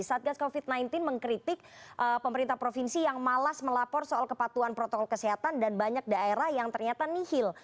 satgas covid sembilan belas mengkritik pemerintah provinsi yang malas melapor soal kepatuhan protokol kesehatan dan banyak daerah yang ternyata nihil